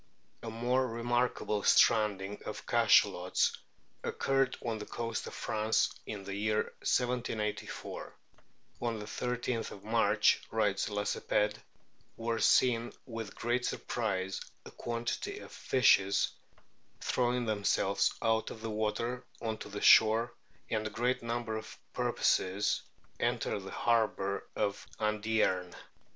A more remarkable stranding of Cachalots occurred on the coast of France in the year 1/84. "On the i3th March'," writes Lacepede, "were seen with great surprise a quantity of fishes throwing themselves out of the water on to the shore, and a great number of porpoises enter the harbour of Andierne.